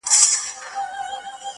ته مي آیینه یې له غبار سره مي نه لګي،